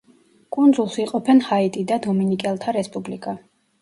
კუნძულს იყოფენ ჰაიტი და დომინიკელთა რესპუბლიკა.